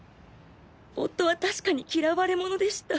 夫は確かに嫌われ者でした。